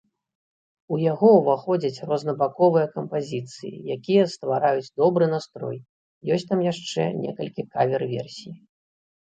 У яго ўваходзяць рознабаковыя кампазіцыі, якія ствараюць добры настрой, ёсць там яшчэ некалькі кавер-версій.